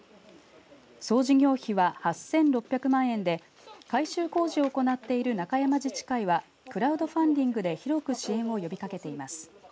総事業費は８６００万円で改修工事を行っている中山自治会はクラウドファンディングで広く支援を呼びかけています。